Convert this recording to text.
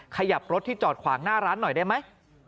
ขยับรถที่จอดขวางหน้าร้านหน่อยได้ไหม